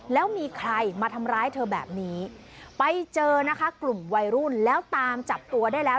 แล้วมีใครมาทำร้ายเธอแบบนี้ไปเจอนะคะกลุ่มวัยรุ่นแล้วตามจับตัวได้แล้ว